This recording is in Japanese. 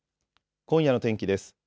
今夜の天気です。